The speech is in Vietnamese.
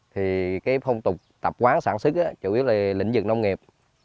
thì cái phong tục tập quán sản xuất chủ yếu là lĩnh vực nông nghiệp